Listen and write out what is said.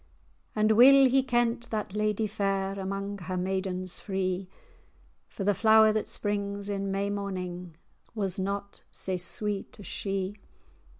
[#] bower. And weel he kent that ladye fair Amang her maidens free, For the flower that springs in May morning Was not sae sweet as she.